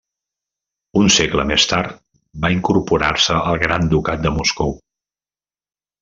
Un segle més tard va incorporar-se al Gran Ducat de Moscou.